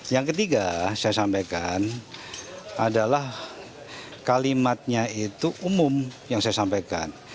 yang ketiga saya sampaikan adalah kalimatnya itu umum yang saya sampaikan